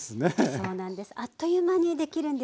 そうなんです。